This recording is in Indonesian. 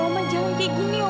oma oma jangan kayak gini oma